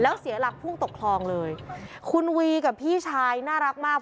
แล้วเสียหลักพุ่งตกคลองเลยคุณวีกับพี่ชายน่ารักมาก